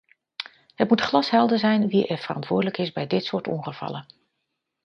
Het moet glashelder zijn wie er verantwoordelijk is bij dit soort ongevallen.